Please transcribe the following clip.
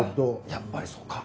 やっぱりそうか。